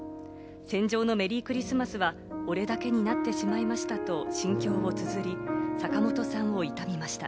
『戦場のメリークリスマス』は俺だけになってしまいましたと心境をつづり、坂本さんを悼みました。